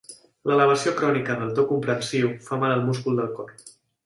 L'elevació crònica del to comprensiu fa mal al múscul del cor.